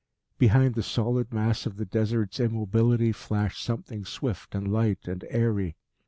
Behind the solid mass of the Desert's immobility flashed something swift and light and airy.